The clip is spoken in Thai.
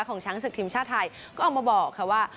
ช้างศึกทีมชาติไทยก็ออกมาบอกค่ะว่า